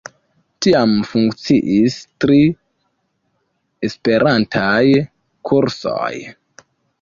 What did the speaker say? Tiam funkciis tri esperantaj kursoj.